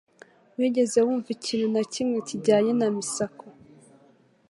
Wigeze wumva ikintu na kimwe kijyanye na Misako